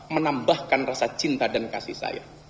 menambahkan rasa cinta dan kasih saya